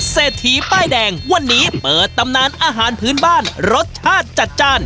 เศรษฐีป้ายแดงวันนี้เปิดตำนานอาหารพื้นบ้านรสชาติจัดจ้าน